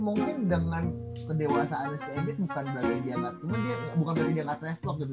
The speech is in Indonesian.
mungkin dengan kedewasaan si edith bukan berarti dia nggak trash talk gitu